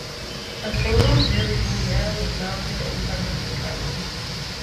A single rear view mirror was mounted in front of the driver.